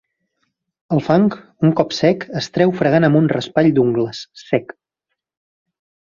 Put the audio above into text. El fang, un cop sec, es treu fregant amb un raspall d'ungles, sec.